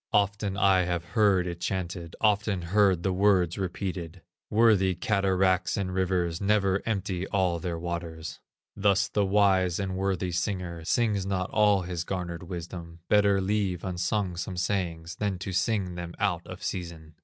Often I have heard it chanted, Often heard the words repeated: "Worthy cataracts and rivers Never empty all their waters." Thus the wise and worthy singer Sings not all his garnered wisdom; Better leave unsung some sayings Than to sing them out of season.